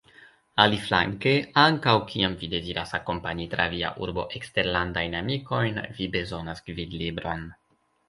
Aliflanke, ankaŭ kiam vi deziras akompani tra via urbo eksterlandajn amikojn, vi bezonas gvidlibron.